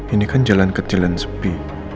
ini kan jalan kecil yang sepi